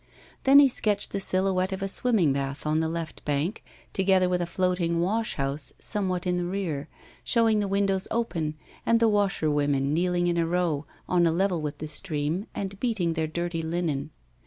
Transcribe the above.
Then he sketched the silhouette of a swimming bath on the left bank, together with a floating wash house somewhat in the rear, showing the windows open and the washerwomen kneeling in a row, on a level with the stream, and beating their dirty linen.